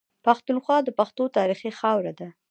پښتونخوا د پښتنو تاريخي خاوره ده.